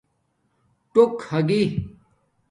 ٹݸک ھاگی